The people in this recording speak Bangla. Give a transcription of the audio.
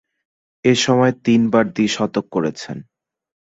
এ সময়ে তিনবার দ্বি-শতক করেছেন।